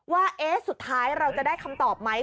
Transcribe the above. ว่าสุดท้ายเราจะได้คำตอบไหม